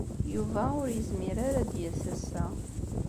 Yuba ur yezmir ara ad d-yass ass-a.